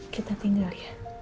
kita tinggal ya